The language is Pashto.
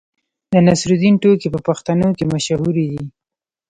د نصرالدین ټوکې په پښتنو کې مشهورې دي.